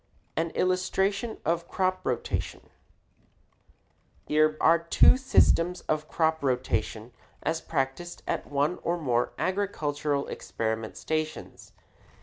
AN ILLUSTRATION OF CROP ROTATION Here are two systems of crop rotation as practiced at one or more agricultural experiment stations.